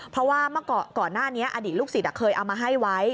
เพราะว่าเมื่อก่อนหน้านี้อดีตลูกศิษย์เคยเอามาให้ไว้